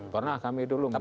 pernah kami dulu menangani